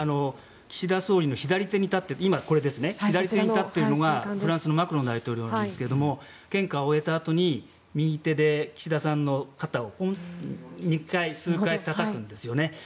岸田総理の左手に立っているのがフランスのマクロン大統領ですが献花を終えたあとに右手で岸田さんの肩をポンポンと数回たたくんですよね。